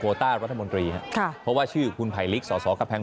ต้ารัฐมนตรีฮะค่ะเพราะว่าชื่อคุณไผลลิกสอสอกำแพง